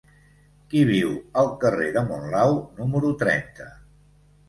Qui viu al carrer de Monlau número trenta?